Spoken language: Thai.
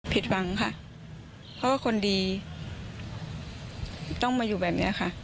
ผิดหวังค่ะเพราะว่าคนดีต้องมาอยู่แบบนี้ค่ะ